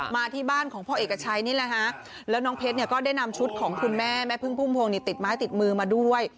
มาที่บ้านของพ่อเอกชัยนี่แหละฮะแล้วน้องเพชรเนี่ยก็ได้นำชุดของคุณแม่แม่พึ่งพุ่มพวงติดไม้ติดมือมาด้วย